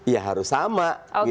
ya harus sama